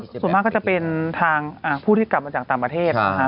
ส่วนมากก็จะเป็นทางผู้ที่กลับมาจากต่างประเทศ